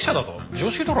常識だろ。